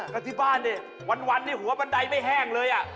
ก็ที่บ้านเนี่ยวันนี้หัวบันไดไม่แห้งเลย